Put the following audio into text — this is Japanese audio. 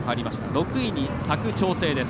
６位に佐久長聖です。